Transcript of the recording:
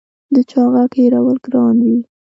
د چا غږ هېرول ګران وي